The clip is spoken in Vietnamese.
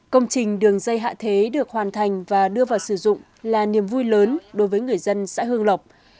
công trình đường dây hạ thế được hoàn thành và đưa vào sử dụng là niềm vui lớn đối với người dân xã hương lộc